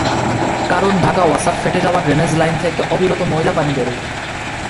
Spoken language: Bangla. কারণ ঢাকা ওয়াসার ফেটে যাওয়া ড্রেনেজ লাইন থেকে অবিরত ময়লা পানি বেরোয়।